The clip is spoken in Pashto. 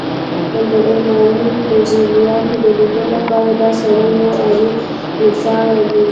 د ايماني تجلياتو د ليدو لپاره دا سړی يو اعلی مثال دی